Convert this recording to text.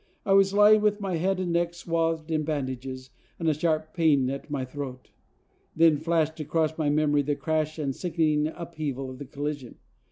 I was lying with my head and neck swathed in bandages, and a sharp pain at my throat. Then flashed across my memory the crash and sickening upheaval of the collision.